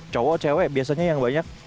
cowok cewek biasanya yang banyak